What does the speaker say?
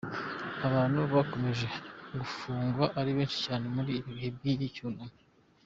Abantu bakomeje gufungwa ari benshi cyane muri ibi bihe by’icyunamo